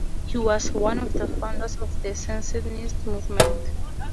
He was one of the founders of the secessionist movement.